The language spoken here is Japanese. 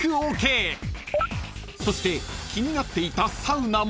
［そして気になっていたサウナも］